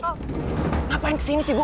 nih ngapain kesini sih ibu